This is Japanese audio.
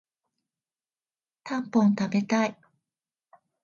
たんぽん食べたい